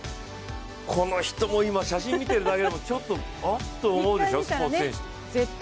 この人も今、写真見てるだけでも、ちょっとあっと見るでしょ、スポーツ選手。